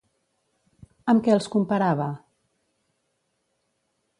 Amb què els comparava?